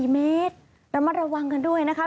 ๔เมตรระมัดระวังกันด้วยนะคะ